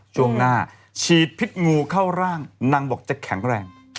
ช่วงหน้าฉีดพิษงูเข้าร่างนางบอกจะแข็งแรง